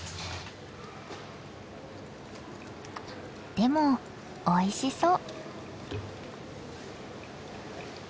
でもおいしそう。